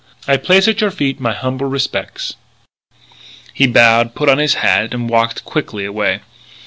I place at your feet my humble respects." He bowed, put on his hat, and walked quickly away.